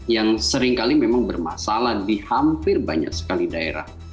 yang seringkali memang bermasalah di hampir banyak sekali daerah